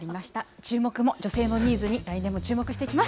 チューモク！も女性のニーズに、来年も注目していきます。